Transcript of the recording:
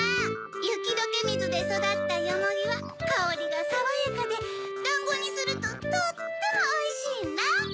ゆきどけみずでそだったよもぎはかおりがさわやかでだんごにするととってもおいしいんら！